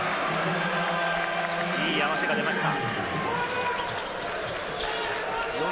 いい合わせが出ました。